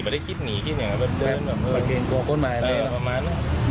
แบบเดินประมาณนั้น